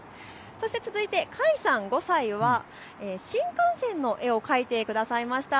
続いて櫂さん５歳は新幹線の絵を描いてくださいました。